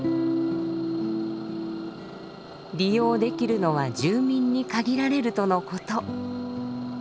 利用できるのは住民に限られるとのこと。